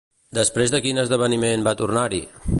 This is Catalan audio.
Després de quin esdeveniment va tornar-hi?